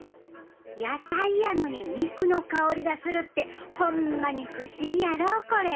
野菜やのに肉の香りがするってホンマに不思議やろこれ！